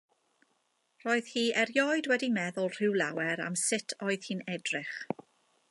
Doedd hi erioed wedi meddwl rhyw lawr am sut oedd hi'n edrych.